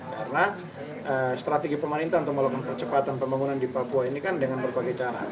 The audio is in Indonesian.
karena strategi pemerintah untuk melakukan percepatan pembangunan di papua ini kan dengan berbagai cara